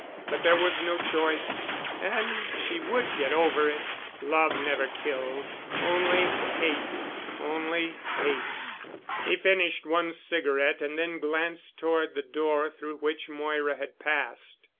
But there was no choice. And she would get over it. Love never killed—only hate ... only hate. He finished one cigarette and then glanced toward the door through which Moira had passed.